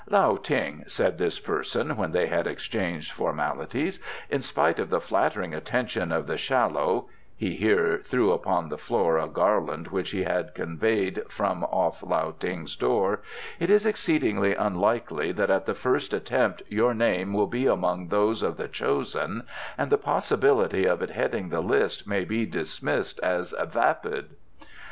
"Lao Ting," said this person, when they had exchanged formalities, "in spite of the flattering attentions of the shallow" he here threw upon the floor a garland which he had conveyed from off Lao Ting's door "it is exceedingly unlikely that at the first attempt your name will be among those of the chosen, and the possibility of it heading the list may be dismissed as vapid."